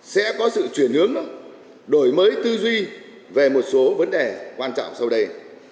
sẽ có sự chuyển hướng đổi mới tư duy về một số vấn đề quan trọng sau đây